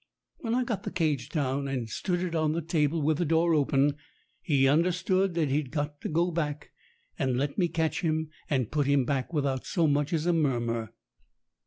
When I got the cage down, and stood it on the table with the door open, he understood that he'd got to go back, and let me catch him and put him back without so much as a murmur.